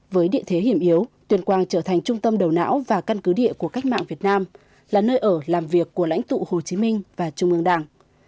với địa thế hiểm yếu tuyên quang trở thành trung tâm đầu não và căn cứ địa của cách mạng việt nam là nơi ở làm việc của lãnh tụ hồ chí minh và trung ương đảng